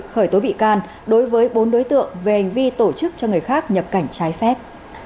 khởi tố bị can đối với bốn đối tượng về hành vi tổ chức cho người khác nhập cảnh trái phép